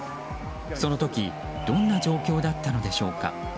その時どんな状況だったのでしょうか。